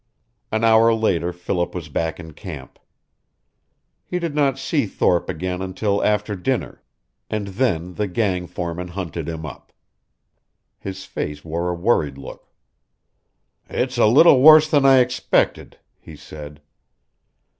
An hour later Philip was back in camp. He did not see Thorpe again until after dinner, and then the gang foreman hunted him up. His face wore a worried look. "It's a little worse than I expected," he said.